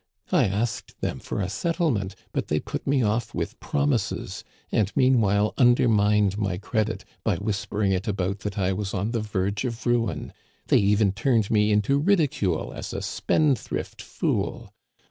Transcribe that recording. I asked them for a settle ment, but they put me off with promises ; and mean while undermined my credit by whispering it about that I was on the verge of ruin. They even turned me into ridicule as a spendthrift fool.